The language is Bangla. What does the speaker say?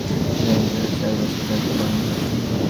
তিনি একাধারে চারবছর দায়িত্বপালন করেছেন।